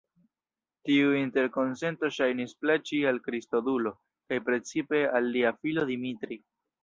Tiu interkonsento ŝajnis plaĉi al Kristodulo, kaj precipe al lia filo Dimitri.